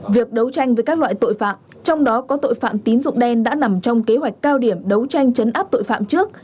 việc đấu tranh với các loại tội phạm trong đó có tội phạm tín dụng đen đã nằm trong kế hoạch cao điểm đấu tranh chấn áp tội phạm trước